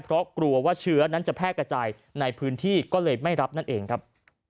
เพราะกลัวว่าเชื้อนั้นจะแพร่กระจายในพื้นที่ก็เลยไม่รับนั่นเองครับ